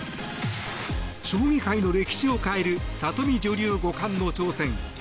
将棋界の歴史を変える里見女流五冠の挑戦。